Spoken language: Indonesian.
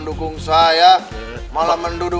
bu bu gak apa apa bu